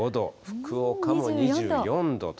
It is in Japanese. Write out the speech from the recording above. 福岡も２４度と。